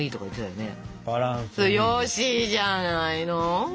よろしいじゃないの！